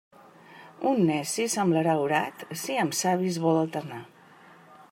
Un neci semblarà orat, si amb savis vol alternar.